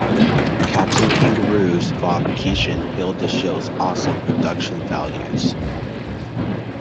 "Captain Kangaroo"'s Bob Keeshan hailed the show's "awesome production values".